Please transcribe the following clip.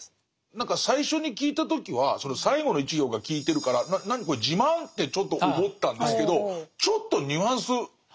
何か最初に聞いた時はその最後の１行が効いてるから何これ自慢？ってちょっと思ったんですけどちょっとニュアンス違いますね。